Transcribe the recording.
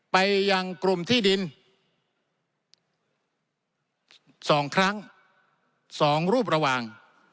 ไปยังกลุ่มที่ดิน๒ครั้ง๒รูประหว่าง